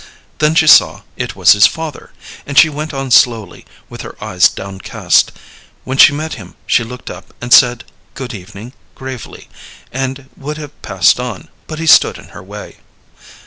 Then she saw it was his father, and she went on slowly, with her eyes downcast. When she met him she looked up and said good evening, gravely, and would have passed on, but he stood in her way.